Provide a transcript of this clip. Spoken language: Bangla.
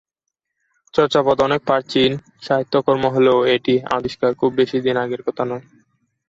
চর্যাপদ অনেক প্রাচীন সাহিত্যকর্ম হলেও এটির আবিষ্কার খুব বেশিদিন আগের কথা নয়।